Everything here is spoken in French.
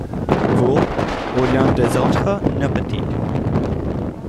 Vous, ou l’un des vôtres ne peut-il. ..